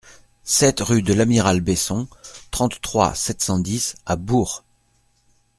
sept rue de l'Amiral Besson, trente-trois, sept cent dix à Bourg